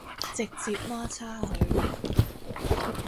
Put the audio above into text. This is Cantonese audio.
直接媽叉佢